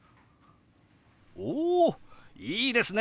おいいですね！